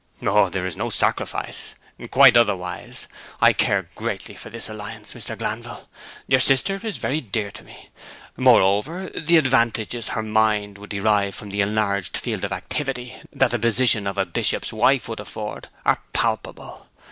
'O, there is no sacrifice! Quite otherwise. I care greatly for this alliance, Mr. Glanville. Your sister is very dear to me. Moreover, the advantages her mind would derive from the enlarged field of activity that the position of a bishop's wife would afford, are palpable.